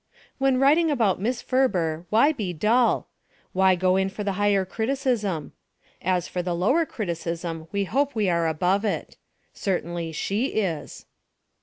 When writing about Miss Ferber why be dull? Why go in for the higher criticism ? As for the lower criticism, we hope we are above it. Certainly she is.